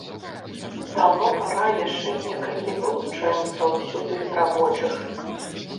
Даўно пара яшчэ некалькі вылучэнцаў сюды з рабочых!